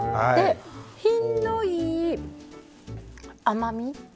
品のいい甘み。